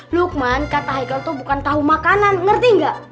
lukman kata highl tuh bukan tahu makanan ngerti nggak